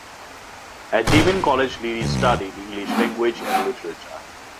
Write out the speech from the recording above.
At Daemen College Liddy studied English language and literature.